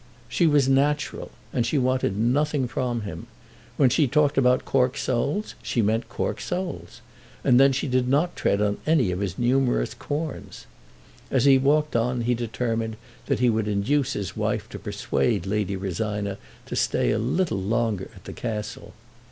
She was natural, and she wanted nothing from him. When she talked about cork soles she meant cork soles. And then she did not tread on any of his numerous corns. As he walked on he determined that he would induce his wife to persuade Lady Rosina to stay a little longer at the Castle.